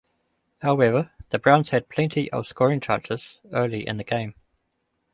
However, the Browns had plenty of scoring chances early in the game.